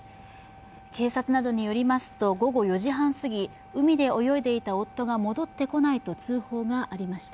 警察などによりますと午後４時半過ぎ、海で泳いでいた夫が戻ってこないと通報がありました。